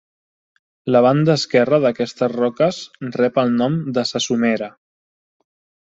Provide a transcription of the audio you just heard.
La banda esquerra d'aquestes roques rep el nom de Sa Somera.